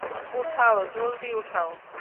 উঠাও, জলদি উঠাও।